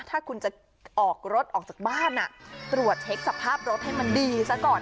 ถ้าคุณจะออกรถออกจากบ้านตรวจเช็คสภาพรถให้มันดีซะก่อน